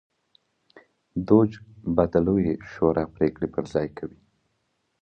دوج به د لویې شورا پرېکړې پر ځای کوي.